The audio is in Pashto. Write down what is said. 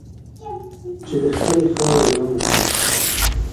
چې د خپلې خاورې غم وخوري.